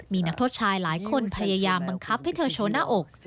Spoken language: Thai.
มีนักโทษชายหลายคนพยายามบังคับให้เธอโชว์หน้าอก